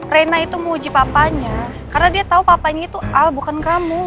reina itu mau uji papanya karena dia tau papanya itu al bukan kamu